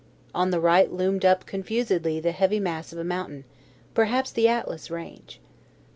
On the right loomed up confusedly the heavy mass of a mountain perhaps the Atlas range.